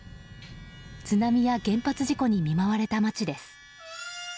津波や原発事故に見舞われた町です。